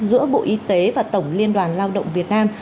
giữa bộ y tế và tổng liên đoàn lao động việt nam